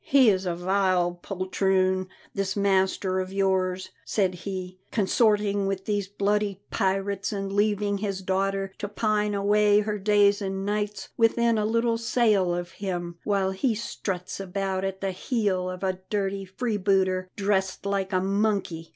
"He is a vile poltroon, this master of yours," said he, "consorting with these bloody pirates and leaving his daughter to pine away her days and nights within a little sail of him, while he struts about at the heel of a dirty freebooter dressed like a monkey!